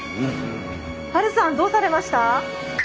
ハルさんどうされました？